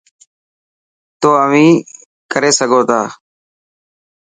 تو اوهين ڪري سگهو تا.